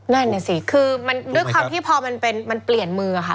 นั่นเนี่ยสิคือด้วยความที่พอมันเป็นมันเปลี่ยนมือค่ะ